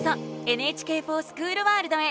「ＮＨＫｆｏｒＳｃｈｏｏｌワールド」へ。